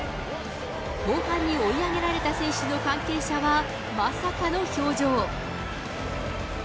後半に追い上げられた選手の関係者はまさかの表情。